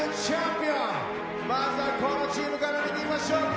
まずはこのチームから見てみましょうか！